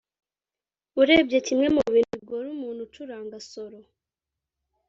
urebye kimwe mu bintu bigora umuntu ucuranga solo